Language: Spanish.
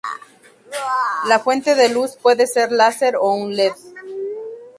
La fuente de luz puede ser láser o un led.